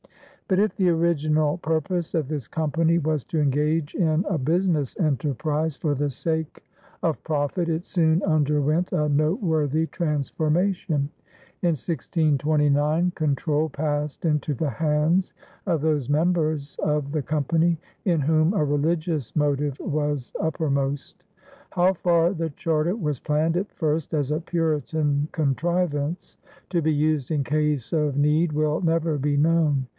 But if the original purpose of this company was to engage in a business enterprise for the sake of profit, it soon underwent a noteworthy transformation. In 1629, control passed into the hands of those members of the company in whom a religious motive was uppermost. How far the charter was planned at first as a Puritan contrivance to be used in case of need will never be known.